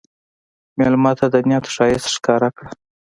مېلمه ته د نیت ښایست ښکاره کړه.